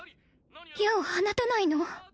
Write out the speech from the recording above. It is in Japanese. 矢を放たないの？